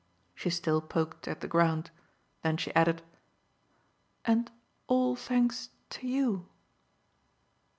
She still poked at the ground; then she added: "And all thanks to YOU."